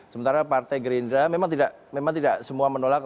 sementara partai gerindra memang tidak semua menolak